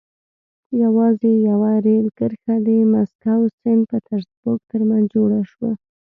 یوازې یوه رېل کرښه د مسکو سن پټزربورګ ترمنځ جوړه شوه.